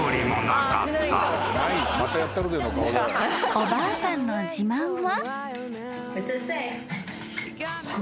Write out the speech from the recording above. ［おばあさんの自慢は］